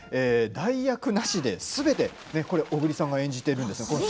代役なしで、すべて小栗さんが演じているんですよね。